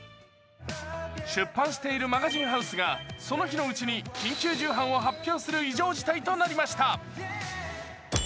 出版しているマガジンハウスがその日のうちに緊急重版を発表する異常事態となりました。